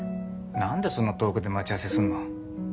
何でそんな遠くで待ち合わせすんの？